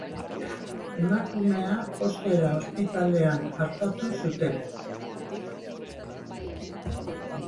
Emakumea, ostera, ospitalean artatu zuten.